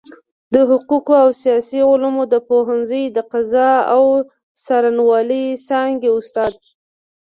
د حقوقو او سياسي علومو د پوهنځۍ د قضاء او څارنوالۍ څانګي استاد